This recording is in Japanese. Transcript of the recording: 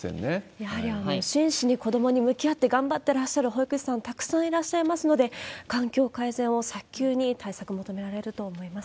やはり真摯に子どもに向き合って、頑張ってらっしゃる保育士さん、たくさんいらっしゃいますので、環境改善を早急に対策求められると思います。